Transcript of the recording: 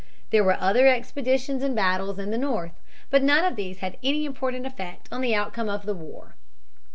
There were other expeditions and battles in the North. But none of these had any important effect on the outcome of the war.